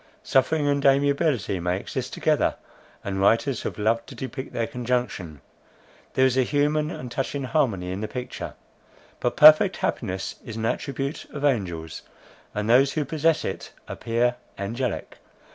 Suffering and amiability may exist together, and writers have loved to depict their conjunction; there is a human and touching harmony in the picture. But perfect happiness is an attribute of angels; and those who possess it, appear angelic.